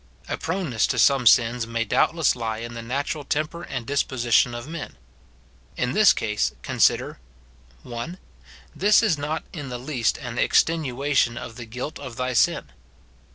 A proneness to some sins may doubtless lie in the natural temper and disposition of men. In this case consider, — 1. This is not in the least an extenuation of the guilt of thy sin.